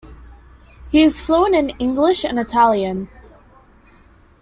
He is fluent in English and Italian.